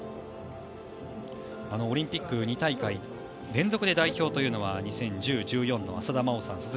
オリンピック２大会連続で代表というのは２０１０、２０１４年の浅田真央さん